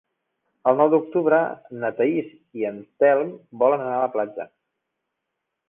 El nou d'octubre na Thaís i en Telm volen anar a la platja.